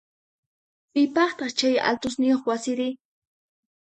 Piqpataq chay altosniyoq wasiri?